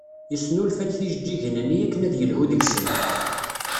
Yesnulfa-d tijeǧǧigin-nni akken ad yelhu deg-sent.